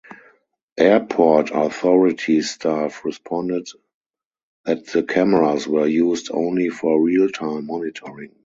Airport Authority staff responded that the cameras were used only for real-time monitoring.